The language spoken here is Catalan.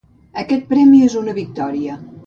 Aquest premi és una victòria.